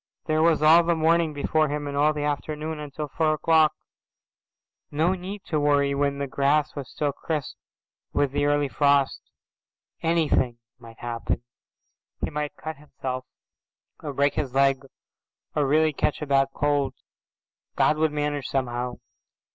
There was all the morning before him and all the afternoon until four o'clock. No need to worry when the grass was still crisp with the early frost. Anything might happen. He might cut himself or break his leg or really catch a bad cold. God would manage somehow.